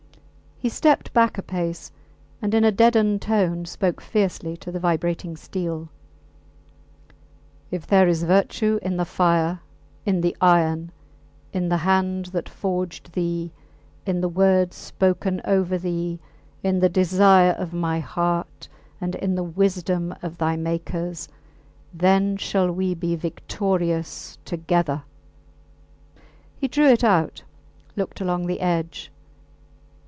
He stepped back a pace, and in a deadened tone spoke fiercely to the vibrating steel: If there is virtue in the fire, in the iron, in the hand that forged thee, in the words spoken over thee, in the desire of my heart, and in the wisdom of thy makers, then we shall be victorious together! He drew it out, looked along the edge.